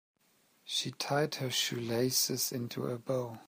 She tied her shoelaces into a bow.